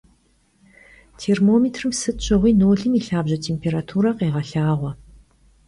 Têrmomêtrım sıt şığui nolım yi lhabje têmpêrature khêğelhağue.